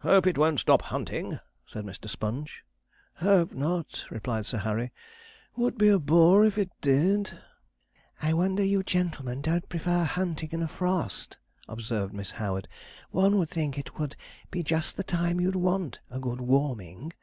'Hope it won't stop hunting,' said Mr. Sponge. 'Hope not,' replied Sir Harry; 'would be a bore if it did.' 'I wonder you gentlemen don't prefer hunting in a frost,' observed Miss Howard; 'one would think it would be just the time you'd want a good warming.'